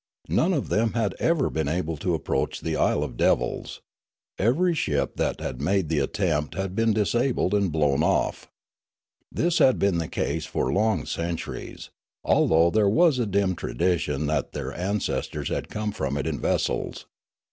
None of them had ever been able to approach the Isle of Devils ; everj^ ship that had made the attempt had been disabled and blown off. This had been the case for long centuries, although there was a dim tradition that their ancestors had come from it in vessels.